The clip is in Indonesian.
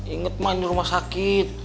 ingat ma ini rumah sakit